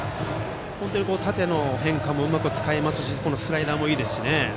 本当に縦の変化もうまく使いますしスライダーもいいですしね。